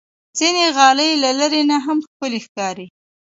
ځینې غالۍ له لرې نه هم ښکلي ښکاري.